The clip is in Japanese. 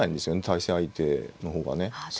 対戦相手の方がね。